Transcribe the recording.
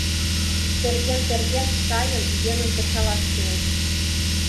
Терген-терген, сайым, йӧным кычалаш кӱлеш.